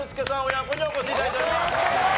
親子にお越し頂いております。